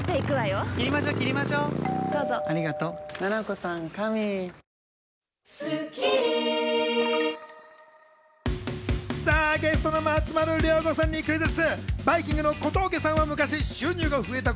さぁ、ゲストの松丸亮吾さんにクイズッス！